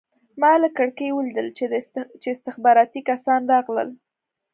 ما له کړکۍ ولیدل چې استخباراتي کسان راغلل